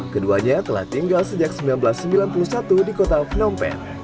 keduanya telah tinggal sejak seribu sembilan ratus sembilan puluh satu di kota phnom penh